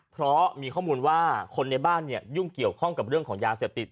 เพราะมีข้อมูลว่าคนในบ้านเนี่ยยุ่งเกี่ยวข้องกับเรื่องของยาเสพติด